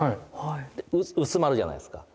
で薄まるじゃないですか。